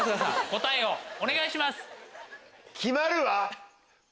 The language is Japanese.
答えをお願いします。